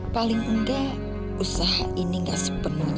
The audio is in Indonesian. paling enggak usaha ini gak sepenuhnya